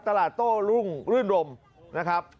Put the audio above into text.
โต้รุ่งรื่นรมนะครับ